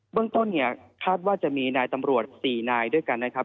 เรื่องต้นเนี่ยคาดว่าจะมีนายตำรวจ๔นายด้วยกันนะครับ